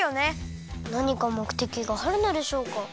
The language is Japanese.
なにかもくてきがあるのでしょうか？